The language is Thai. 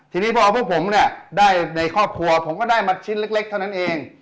ทีนี้พอเอาพวกผมเนี่ยได้ในครอบครัวผมก็ได้มาชิ้นเล็กเท่านั้นเอง